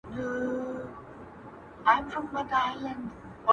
د سپوږمۍ سره یې پټ د میني راز دی,